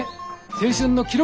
青春の記録！